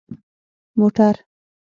🚘 موټر